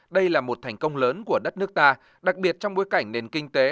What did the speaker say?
đây là một thành công lớn của đất nước ta đặc biệt trong bối cảnh nền kinh tế